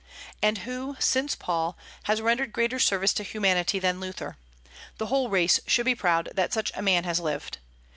And who, since Paul, has rendered greater service to humanity than Luther? The whole race should be proud that such a man has lived.